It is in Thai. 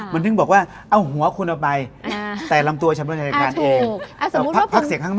มันถึงบอกว่าเอ้าหัวคุณภัยแต่ลำตัวชะมัดแทนการเอง